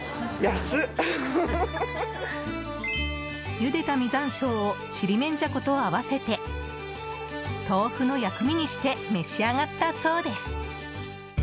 ゆでた実山椒をちりめんじゃこと合わせて豆腐の薬味にして召し上がったそうです。